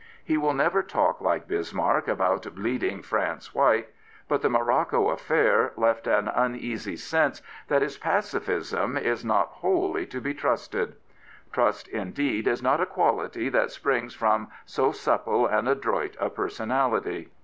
He will never talk like Bismarck about "bleeding France white"; but the Morocco affair left an uneasy sense that his pacificism is not wholly to be trusted. Trust, indeed, is not a quality that springs from so supple and adroit a personality.